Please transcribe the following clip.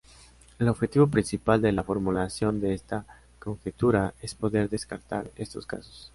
El objetivo principal de la formulación de esta conjetura es poder descartar estos casos.